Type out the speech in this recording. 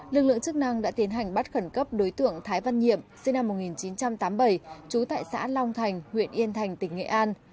lực lượng chức năng đã tiến hành bắt khẩn cấp đối tượng thái văn nhiệm sinh năm một nghìn chín trăm tám mươi bảy trú tại xã long thành huyện yên thành tỉnh nghệ an